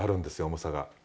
重さが。